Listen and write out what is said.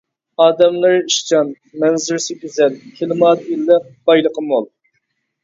ئادەملىرى ئىشچان، مەنزىرىسى گۈزەل، كىلىماتى ئىللىق، بايلىقى مول.